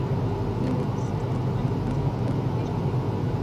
Willow seeks infallible magic.